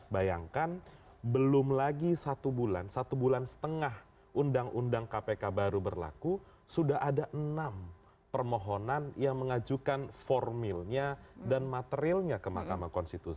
bayangkan belum lagi satu bulan satu bulan setengah undang undang kpk baru berlaku sudah ada enam permohonan yang mengajukan formilnya dan materialnya ke mahkamah konstitusi